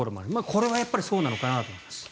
これはやっぱりそうなのかなと思います。